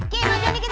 ke lanjut dikit